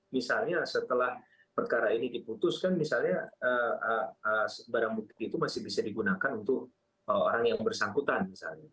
misalnya setelah perkara ini diputuskan misalnya barang bukti itu masih bisa digunakan untuk orang yang bersangkutan misalnya